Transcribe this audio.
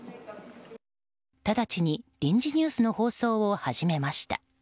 直ちに臨時ニュースの放送を始めました。